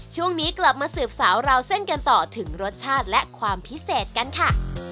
ช่วงนี้กลับมาสืบสาวราวเส้นกันต่อถึงรสชาติและความพิเศษกันค่ะ